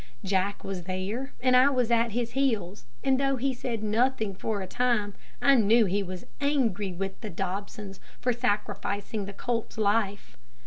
Jack was there and I was at his heels, and though he said nothing for a time, I knew he was angry with the Dobsons for sacrificing the colt's life.